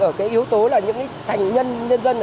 ở cái yếu tố là những cái thành nhân nhân dân